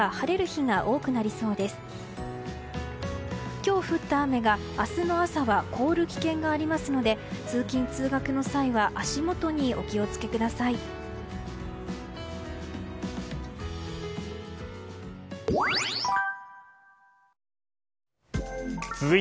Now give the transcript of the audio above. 今日降った雨が明日の朝は凍る危険がありますので通勤・通学の際は足元にお気をつけください。